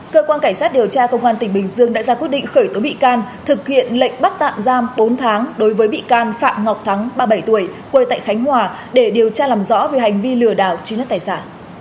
cơ quan cảnh sát điều tra công an tỉnh bình dương đã ra quyết định khởi tố bị can thực hiện lệnh bắt tạm giam bốn tháng đối với bị can phạm ngọc thắng ba mươi bảy tuổi quê tại khánh hòa để điều tra làm rõ về hành vi lừa đảo chiếm đất tài sản